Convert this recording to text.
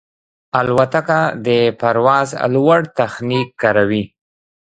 الوتکه د پرواز لوړ تخنیک کاروي.